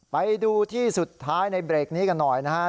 ไปดูที่สุดท้ายในเบรกนี้กันหน่อยนะครับ